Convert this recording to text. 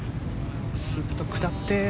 スッと下って。